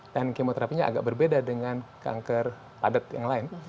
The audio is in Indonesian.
dan kemoterapinya agak berbeda dengan kanker padat yang lain